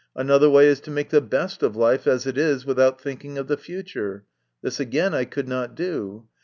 Another way is to make the best of life as it is without thinking of the future. This, again, I could not do.